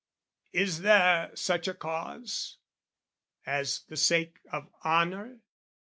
Is there such a cause As the sake of honour?